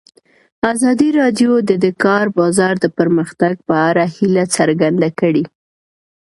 ازادي راډیو د د کار بازار د پرمختګ په اړه هیله څرګنده کړې.